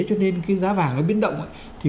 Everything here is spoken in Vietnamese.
cho nên cái giá vàng nó biến động thì